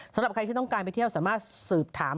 สำหรับใครที่ต้องการไปเที่ยวสามารถสืบถาม